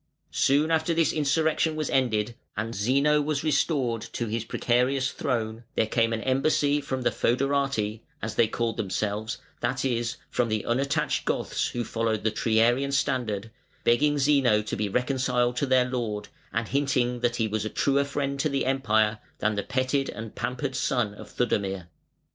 Soon after this insurrection was ended and Zeno was restored to his precarious throne, there came an embassy from the fœderati (as they called themselves) that is, from the unattached Goths who followed the Triarian standard, begging Zeno to be reconciled to their lord, and hinting that he was a truer friend to the Empire than the petted and pampered son of Theudemir.